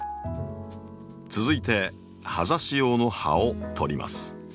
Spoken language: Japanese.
続いて葉ざし用の葉を取ります。